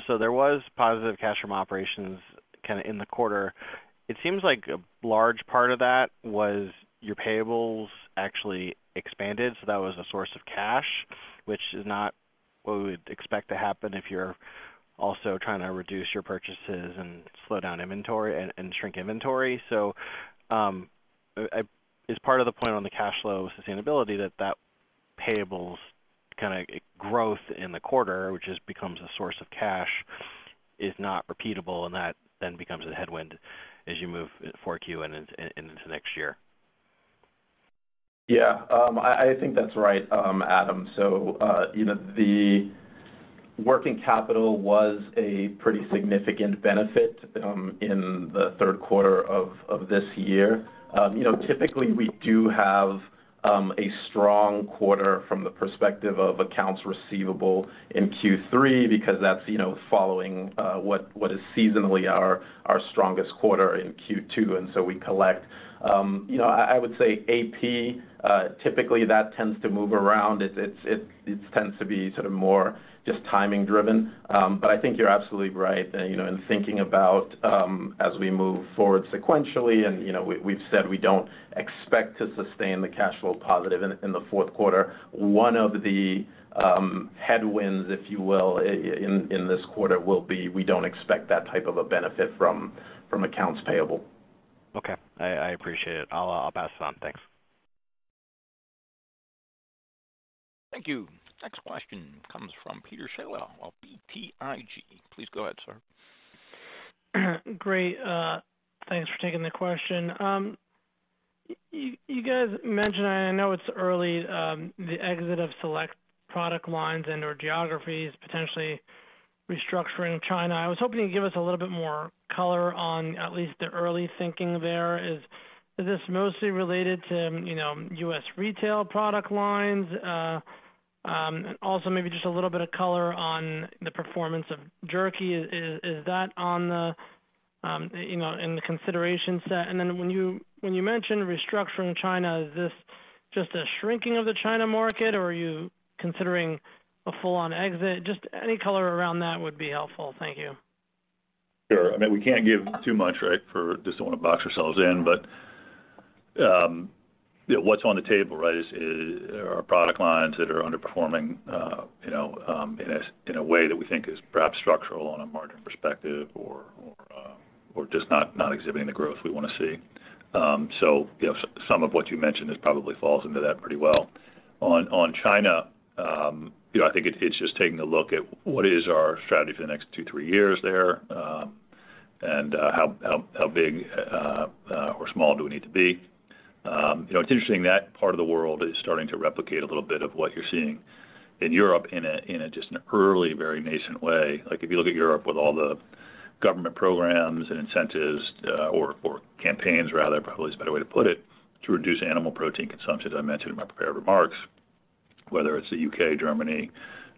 So there was positive cash from operations kinda in the quarter. It seems like a large part of that was your payables actually expanded, so that was a source of cash, which is not what we would expect to happen if you're also trying to reduce your purchases and slow down inventory and shrink inventory. So, is part of the point on the cash flow sustainability that payables kind of growth in the quarter, which just becomes a source of cash, is not repeatable, and that then becomes a headwind as you move 4Q and into next year? Yeah, I think that's right, Adam. So, you know, the working capital was a pretty significant benefit in the third quarter of this year. You know, typically, we do have a strong quarter from the perspective of accounts receivable in Q3, because that's, you know, following what is seasonally our strongest quarter in Q2, and so we collect. You know, I would say AP typically, that tends to move around. It tends to be sort of more just timing driven. But I think you're absolutely right. You know, in thinking about as we move forward sequentially, and, you know, we've said we don't expect to sustain the cash flow positive in the fourth quarter. One of the headwinds, if you will, in this quarter will be, we don't expect that type of a benefit from accounts payable. Okay. I appreciate it. I'll pass it on. Thanks. Thank you. Next question comes from Peter Galbo of BTIG. Please go ahead, sir. Great, thanks for taking the question. You guys mentioned, and I know it's early, the exit of select product lines and/or geographies, potentially restructuring China. I was hoping you'd give us a little bit more color on at least the early thinking there. Is this mostly related to, you know, U.S. retail product lines? And also maybe just a little bit of color on the performance of jerky. Is that on the, you know, in the consideration set? And then when you mention restructuring China, is this just a shrinking of the China market, or are you considering a full-on exit? Just any color around that would be helpful. Thank you. Sure. I mean, we can't give too much, right, for just don't wanna box ourselves in. But, you know, what's on the table, right, is, is there are product lines that are underperforming, you know, in a, in a way that we think is perhaps structural on a margin perspective or, or, or just not, not exhibiting the growth we wanna see. So, you know, some of what you mentioned is probably falls into that pretty well. On, on China, you know, I think it, it's just taking a look at what is our strategy for the next two, three years there, and, how, how, how big, or small do we need to be? You know, it's interesting, that part of the world is starting to replicate a little bit of what you're seeing in Europe in a just an early, very nascent way. Like, if you look at Europe with all the government programs and incentives, or campaigns rather, probably is a better way to put it, to reduce animal protein consumption, as I mentioned in my prepared remarks, whether it's the UK, Germany,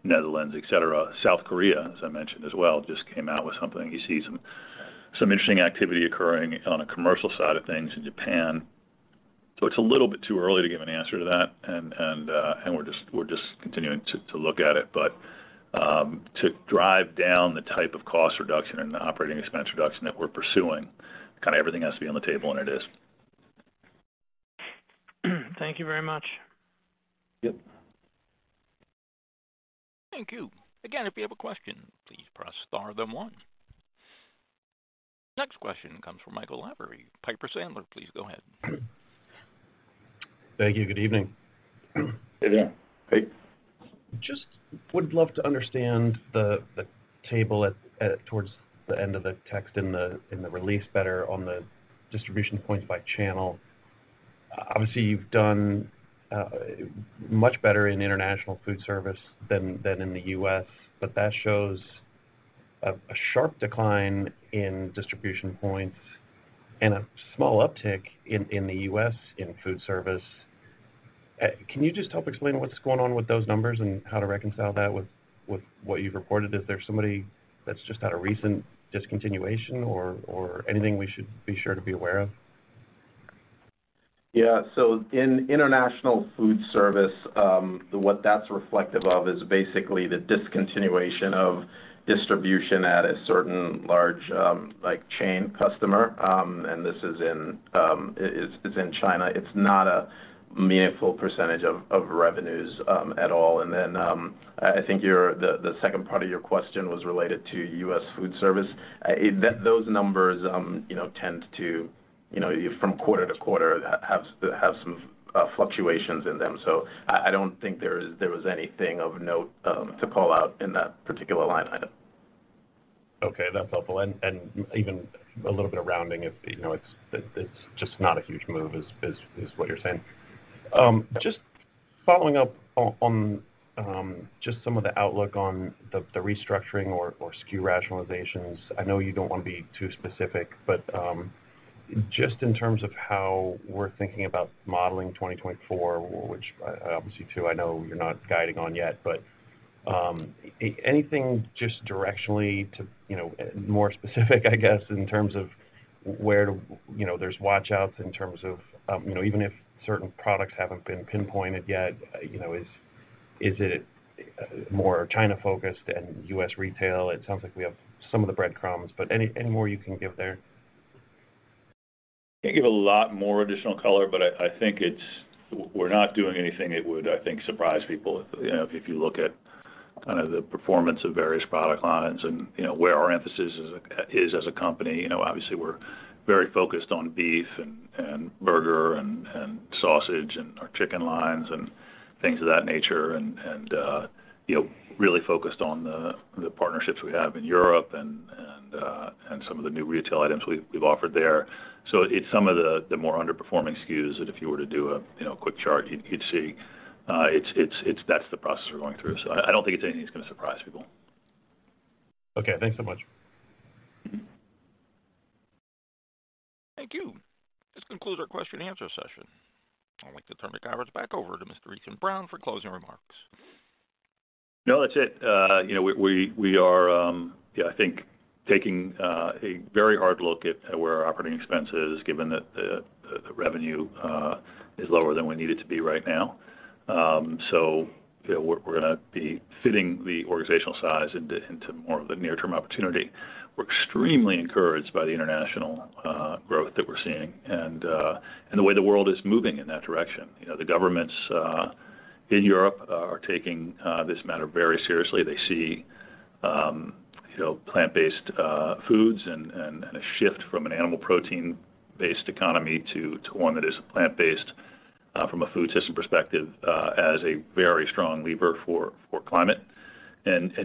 Netherlands, et cetera. South Korea, as I mentioned as well, just came out with something. You see some interesting activity occurring on a commercial side of things in Japan. So it's a little bit too early to give an answer to that, and we're just continuing to look at it. To drive down the type of cost reduction and the operating expense reduction that we're pursuing, kind of everything has to be on the table, and it is. Thank you very much. Yep. Thank you. Again, if you have a question, please press star then one. Next question comes from Michael Lavery, Piper Sandler. Please go ahead. Thank you. Good evening. Good evening, hey. Just would love to understand the table at towards the end of the text in the release better on the distribution points by channel. Obviously, you've done much better in international foodservice than in the U.S., but that shows a sharp decline in distribution points and a small uptick in the U.S. in foodservice. Can you just help explain what's going on with those numbers and how to reconcile that with what you've reported? Is there somebody that's just had a recent discontinuation or anything we should be sure to be aware of? Yeah. So in international foodservice, what that's reflective of is basically the discontinuation of distribution at a certain large, like, chain customer. And this is in, it's, it's in China. It's not a meaningful percentage of revenues, at all. And then, I think your, the, the second part of your question was related to U.S. foodservice. Those numbers, you know, tend to, you know, from quarter to quarter, have some fluctuations in them. So I don't think there was anything of note, to call out in that particular line item. Okay, that's helpful. And even a little bit of rounding, if you know, it's just not a huge move is what you're saying. Just following up on just some of the outlook on the restructuring or SKU rationalizations. I know you don't want to be too specific, but just in terms of how we're thinking about modeling 2024, which obviously, too, I know you're not guiding on yet. But anything just directionally to you know, more specific, I guess, in terms of where you know, there's watch outs in terms of you know, even if certain products haven't been pinpointed yet, you know, is it more China-focused and U.S. retail? It sounds like we have some of the breadcrumbs, but any more you can give there? ... Can't give a lot more additional color, but I think it's we're not doing anything that would, I think, surprise people. You know, if you look at kind of the performance of various product lines and, you know, where our emphasis is as a company, you know, obviously, we're very focused on beef and burger and sausage and our chicken lines and things of that nature, and, you know, really focused on the partnerships we have in Europe and some of the new retail items we've offered there. So it's some of the more underperforming SKUs that if you were to do a, you know, quick chart, you'd see, it's, that's the process we're going through. So I don't think it's anything that's gonna surprise people. Okay, thanks so much. Thank you. This concludes our question and answer session. I'd like to turn the conference back over to Mr. Ethan Brown for closing remarks. No, that's it. You know, we are, yeah, I think taking a very hard look at where our operating expense is, given that the revenue is lower than we need it to be right now. So, you know, we're gonna be fitting the organizational size into more of the near term opportunity. We're extremely encouraged by the international growth that we're seeing and the way the world is moving in that direction. You know, the governments in Europe are taking this matter very seriously. They see you know, plant-based foods and a shift from an animal protein-based economy to one that is plant-based from a food system perspective as a very strong lever for climate.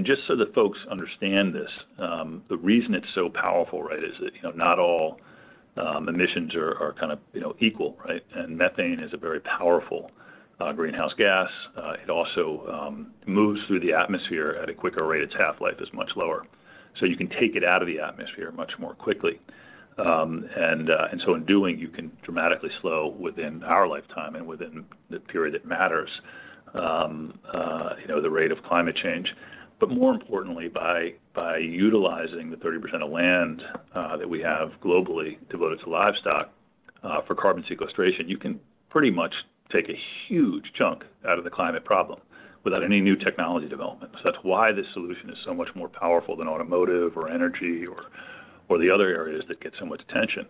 Just so that folks understand this, the reason it's so powerful, right, is that, you know, not all emissions are kind of, you know, equal, right? And methane is a very powerful greenhouse gas. It also moves through the atmosphere at a quicker rate. Its half-life is much lower, so you can take it out of the atmosphere much more quickly. And so in doing, you can dramatically slow within our lifetime and within the period that matters, you know, the rate of climate change. But more importantly, by utilizing the 30% of land that we have globally devoted to livestock for carbon sequestration, you can pretty much take a huge chunk out of the climate problem without any new technology development. So that's why this solution is so much more powerful than automotive or energy or the other areas that get so much attention.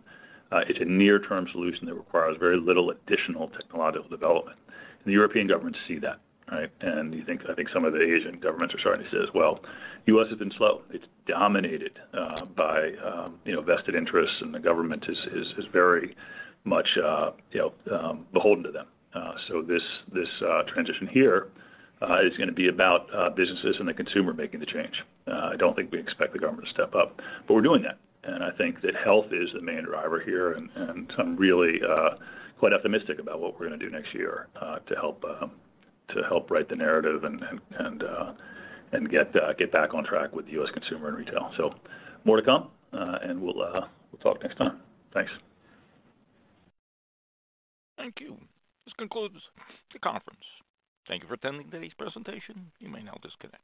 It's a near-term solution that requires very little additional technological development. The European governments see that, right? And you think—I think some of the Asian governments are starting to see it as well. The U.S. has been slow. It's dominated by you know, vested interests, and the government is very much you know, beholden to them. So this transition here is gonna be about businesses and the consumer making the change. I don't think we expect the government to step up, but we're doing that. I think that health is the main driver here, and I'm really quite optimistic about what we're gonna do next year to help write the narrative and get back on track with the U.S. consumer and retail. More to come, and we'll talk next time. Thanks. Thank you. This concludes the conference. Thank you for attending today's presentation. You may now disconnect.